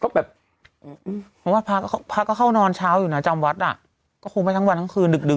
เพราะว่าพระก็พระก็เข้านอนเช้าอยู่นะจำวัดอ่ะก็คงไม่ทั้งวันทั้งคืนดึกดึ